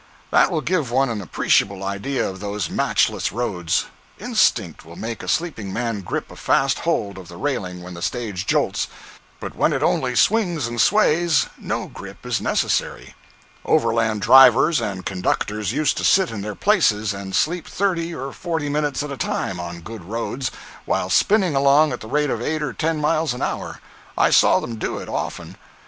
That will give one an appreciable idea of those matchless roads. Instinct will make a sleeping man grip a fast hold of the railing when the stage jolts, but when it only swings and sways, no grip is necessary. Overland drivers and conductors used to sit in their places and sleep thirty or forty minutes at a time, on good roads, while spinning along at the rate of eight or ten miles an hour. I saw them do it, often.